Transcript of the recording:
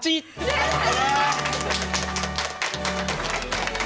やった！